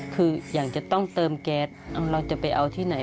คืออยากจะต้องเติมแก๊สเราจะไปเอาที่ไหน